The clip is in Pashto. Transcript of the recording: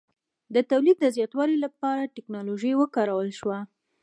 د تولید د زیاتوالي لپاره ټکنالوژي وکارول شوه.